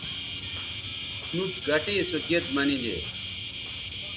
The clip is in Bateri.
نُوٹ گٹے سو گید منیدے